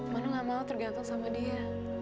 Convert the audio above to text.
mana gak mau tergantung sama dia